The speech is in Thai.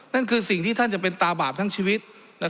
นั่นคือสิ่งที่ท่านจะเป็นตาบาปทั้งชีวิต